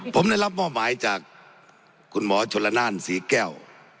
ผมได้รับมอบหมายจากคุณหมอชนละนานศรีแก้ว